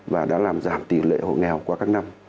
và đã làm giảm tỷ lệ hộ nghèo qua các năm